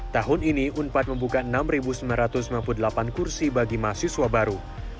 tahun ini unpad membuka enam sembilan ratus sembilan puluh delapan kursi bagi mahasiswa baru